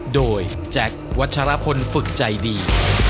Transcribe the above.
โดยแจ็ควัชรพลฝึกใจดี